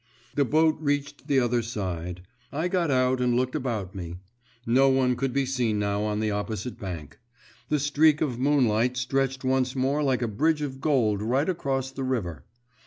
The boat reached the other side. I got out and looked about me. No one could be seen now on the opposite bank. The streak of moonlight stretched once more like a bridge of gold right across the river.